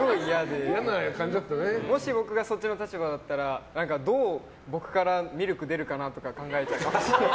もし僕がそっちの立場だったらどう僕からミルク出るかなと考えちゃう。